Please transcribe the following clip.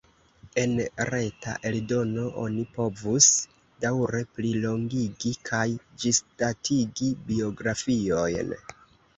En reta eldono oni povus daŭre plilongigi kaj ĝisdatigi biografiojn.